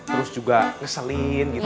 terus juga ngeselin gitu